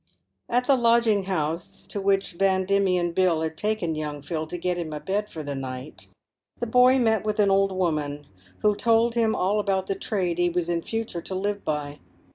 73 At the lodging house to which Van Diemen Bill had taken young Phil to get him a bed for the night, the boy met with an old woman, who told him all about the trade he was in future to live by.